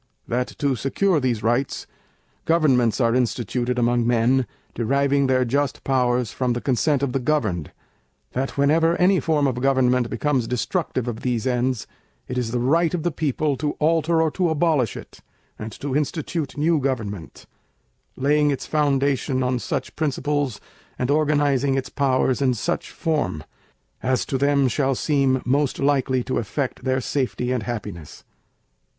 —That to secure these rights, Governments are instituted among Men, deriving their just powers from the consent of the governed,—That whenever any Form of Government becomes destructive of these ends, it is the Right of the People to alter or to abolish it, and to institute new Government, laying its foundation on such principles and organizing its powers in such form, as to them shall seem most likely to effect their Safety and Happiness.